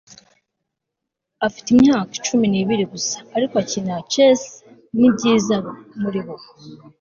afite imyaka cumi n'ibiri gusa, ariko akina chess nibyiza muri bo